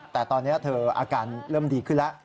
แต่ตอนนี้เธออาการเริ่มดีขึ้นแล้ว